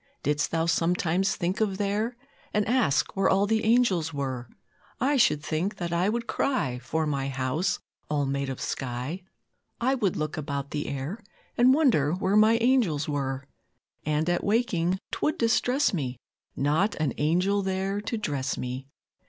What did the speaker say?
Didst Thou sometimes think of there, And ask where all the angels were? I should think that I would cry For my house all made of sky; I would look about the air, And wonder where my angels were; And at waking 'twould distress me Not an angel there to dress me!